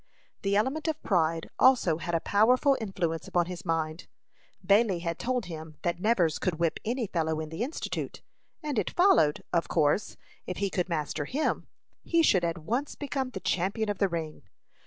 The element of pride also had a powerful influence upon his mind. Bailey had told him that Nevers could whip any fellow in the Institute; and it followed, of course, if he could master him, he should at once become the champion of the ring.